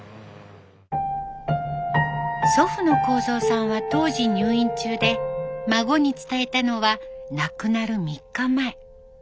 祖父の幸蔵さんは当時入院中で孫に伝えたのは亡くなる３日前。